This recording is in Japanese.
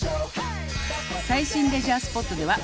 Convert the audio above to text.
「最新レジャースポットでは」